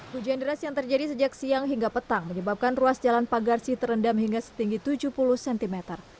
hujan deras yang terjadi sejak siang hingga petang menyebabkan ruas jalan pagarsi terendam hingga setinggi tujuh puluh cm